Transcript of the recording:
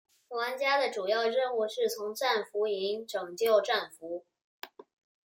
玩家的主要任务是从战俘营拯救战俘。